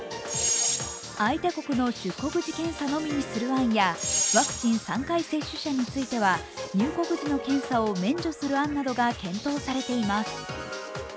相手国の出国時検査のみにする案やワクチン３回接種者については入国時の検査を免除する案などが検討されています。